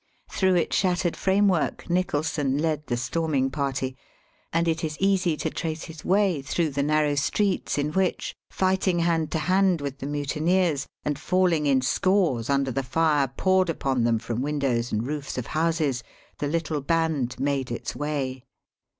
Through its shattered framework Nicholson led the storming party, and it is easy to trace his way through the narrow streets in which fighting hand to hand with the mutineers, and falling in scores under the fire poured upon them from windows and roofs of houses, the little band made its way.